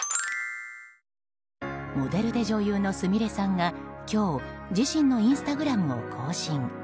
モデルで女優のすみれさんが今日自身のインスタグラムを更新。